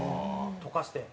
溶かして？